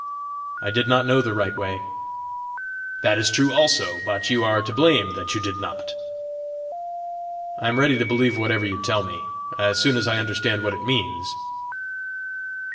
"I did not know the right way." "That is true also but you are to blame that you did not." "I am ready to believe whatever you tell me as soon as I understand what it means."